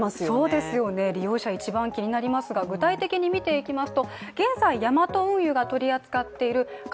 そうですよね、利用者一番気になりますが、具体的に見ていきます。